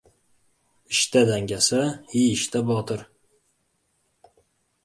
• Ishda — dangasa, yeyishda — botir.